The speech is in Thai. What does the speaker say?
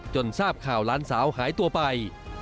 ทราบข่าวหลานสาวหายตัวไป